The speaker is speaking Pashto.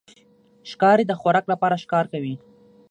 ښکاري د خوراک لپاره ښکار کوي.